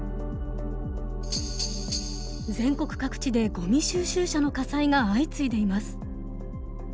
全国各地でごみ収集車の火災が相次いでいます。